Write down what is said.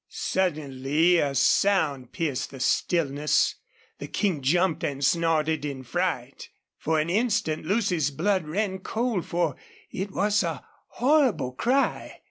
Suddenly a sound pierced the stillness. The King jumped and snorted in fright. For an instant Lucy's blood ran cold, for it was a horrible cry.